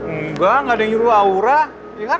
enggak gak ada yang nyuruh aura lihat